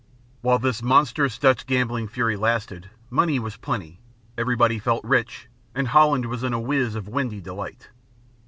While this monstrous Dutch gambling fury lasted, money was plenty, everybody felt rich and Holland was in a whiz of windy delight.